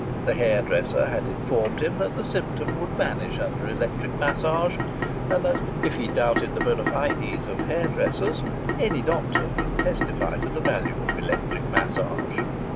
The hairdresser had informed him that the symptom would vanish under electric massage, and that, if he doubted the bona fides of hairdressers, any doctor would testify to the value of electric massage.